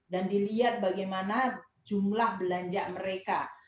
dan dilihat bagaimana jumlah belanja mereka